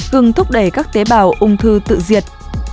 ngừng thúc đẩy các tế bào ung thư tự diệt